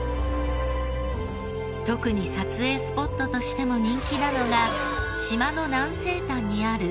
特に撮影スポットとしても人気なのが島の南西端にある